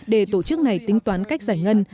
để tổ chức này tính toán cách giải ngân